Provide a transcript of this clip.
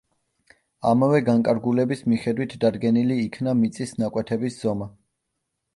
ამავე განკარგულების მიხედვით დადგენილი იქნა მიწის ნაკვეთების ზომა.